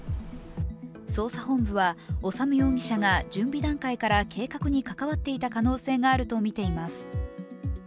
捜査本部は修容疑者が準備段階から計画に関わっていた可能性があると見ています。